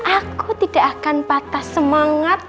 aku tidak akan patah semangat